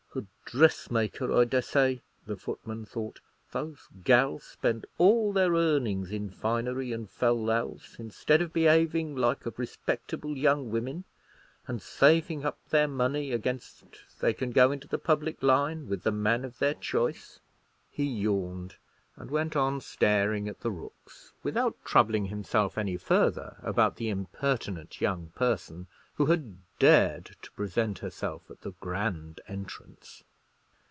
"A dressmaker, I dessay," the footman thought. "Those gals spend all their earnings in finery and fallals, instead of behaving like respectable young women, and saving up their money against they can go into the public line with the man of their choice." He yawned, and went on staring at the rooks, without troubling himself any further about the impertinent young person who had dared to present herself at the grand entrance.